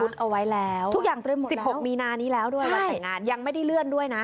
นี่เอาไว้แล้ว๑๖มีนานี้แล้วยังไม่ได้เลื่อนด้วยนะ